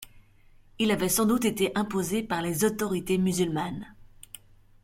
Il avait sans doute été imposé par les autorités musulmanes.